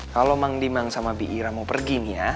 kalau mang di mang sama bi ira mau pergi nih ya